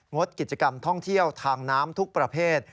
ดกิจกรรมท่องเที่ยวทางน้ำทุกประเภท